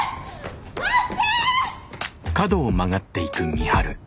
待って！